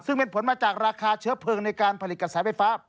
ซึ่งเป็นผลมาจากราคาเชื้อเพลิงในการผลิตกระแสไฟฟ้า